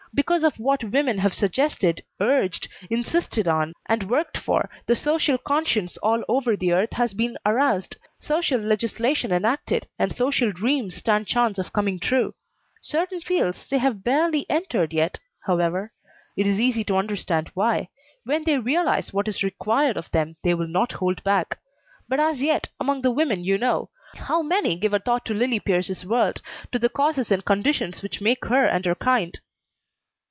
Because of what women have suggested, urged, insisted on, and worked for, the social conscience all over the earth has been aroused, social legislation enacted, and social dreams stand chance of coming true. Certain fields they have barely entered yet, however. It is easy to understand why. When they realize what is required of them, they will not hold back. But as yet, among the women you know, how many give a thought to Lillie Pierce's world, to the causes and conditions which make her and her kind?"